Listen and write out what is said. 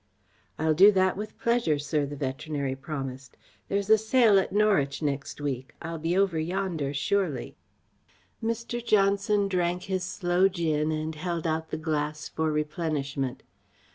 "I'll do that with pleasure, sir," the veterinary promised. "There's a sale at Norwich next week. I'll be over yonder, surely." Mr. Johnson drank his sloe gin and held out the glass for replenishment.